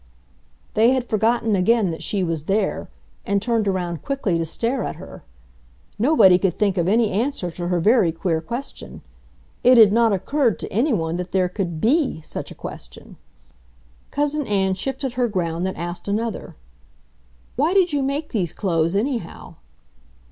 They had forgotten again that she was there, and turned around quickly to stare at her. Nobody could think of any answer to her very queer question. It had not occurred to any one that there could BE such a question. Cousin Ann shifted her ground and asked another: "Why did you make these clothes, anyhow?"